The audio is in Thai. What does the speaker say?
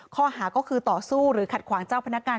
ข้อหาก็คือต่อสู้หรือขัดขวางเจ้าพนักงาน